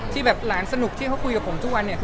ที่แบบหลานสนุกที่เขาคุยกับผมทุกวันเนี่ย